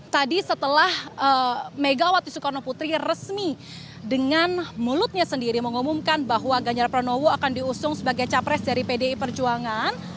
tadi setelah megawati soekarno putri resmi dengan mulutnya sendiri mengumumkan bahwa ganjar pranowo akan diusung sebagai capres dari pdi perjuangan